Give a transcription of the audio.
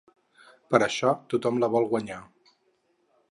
Per això tothom la vol guanyar.